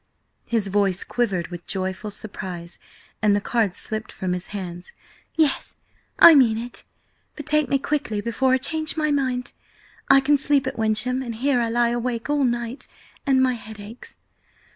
His voice quivered with joyful surprise, and the cards slipped from his hands. "Yes, I mean it! But take me quickly before I change my mind! I can sleep at Wyncham, and here I lie awake all night, and my head aches.